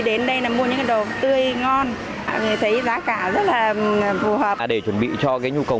đến đây là mua những cái đồ tươi ngon thấy giá cả rất là phù hợp để chuẩn bị cho cái nhu cầu